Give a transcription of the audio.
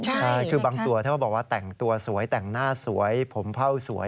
ใช่คือบางตัวถ้าเขาบอกว่าแต่งตัวสวยแต่งหน้าสวยผมเผ่าสวย